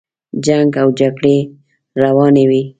جنګ او جګړې روانې وې.